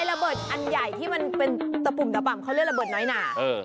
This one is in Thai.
ระเบิดอันใหญ่ที่มันเป็นตะปุ่มตะป่ำเขาเรียกระเบิดน้อยหนา